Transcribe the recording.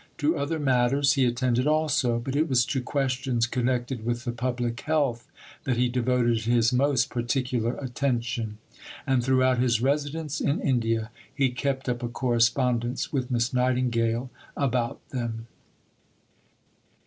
To other matters he attended also; but it was to questions connected with the public health that he devoted his most particular attention, and throughout his residence in India he kept up a correspondence with Miss Nightingale about them.